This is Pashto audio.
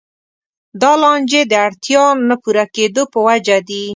دا لانجې د اړتیاوو نه پوره کېدو په وجه دي.